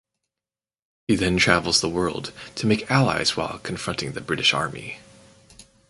He then travels the world to make allies while confronting the British Army.